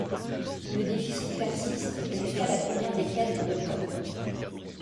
Le déficit persiste jusqu’à la première décade d’octobre.